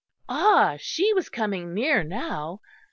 Ah! she was coming near now.